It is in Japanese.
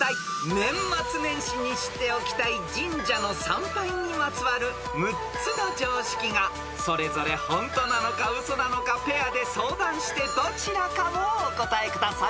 年末年始に知っておきたい神社の参拝にまつわる６つの常識がそれぞれホントなのかウソなのかペアで相談してどちらかをお答えください］